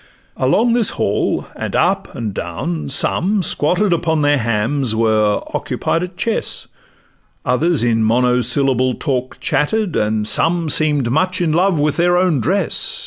Along this hall, and up and down, some, squatted Upon their hams, were occupied at chess; Others in monosyllable talk chatted, And some seem'd much in love with their own dress.